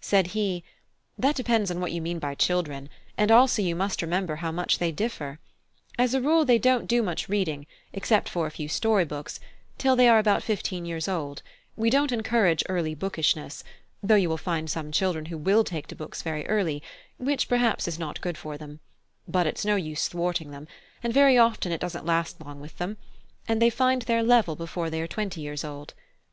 Said he: "That depends on what you mean by children; and also you must remember how much they differ. As a rule, they don't do much reading, except for a few story books, till they are about fifteen years old; we don't encourage early bookishness: though you will find some children who will take to books very early; which perhaps is not good for them; but it's no use thwarting them; and very often it doesn't last long with them, and they find their level before they are twenty years old.